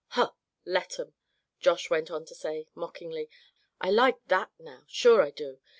"Huh! let 'em!" Josh went on to say, mockingly. "I like that, now, sure I do.